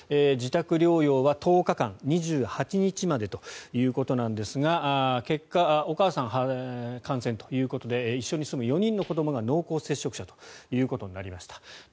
自宅療養は１０日間２８日までということなんですが結果、お母さんは感染ということで一緒に住む４人の子どもが濃厚接触者ということになりました。